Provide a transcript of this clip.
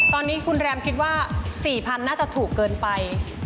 ตอนนี้คุณแรมคิดว่า๔๐๐น่าจะถูกเกินไป